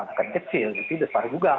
akan kecil jadi besar juga